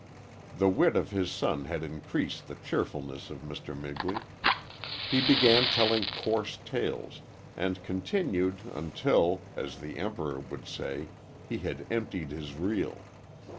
The wit of his son had increased the cheerfulness of Mr. Migley. He began telling coarse tales, and continued until, as the Emperor would say, he had "emptied his reel."